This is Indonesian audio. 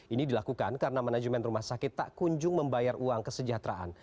ini dilakukan karena manajemen rumah sakit tak kunjung membayar uang kesejahteraan